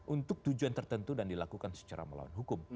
untuk tujuan tertentu dan dilakukan secara melawan hukum